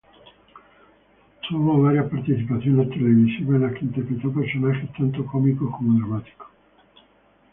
Tuvo varias participaciones televisivas en las que interpretó personajes tanto cómicos como dramáticos.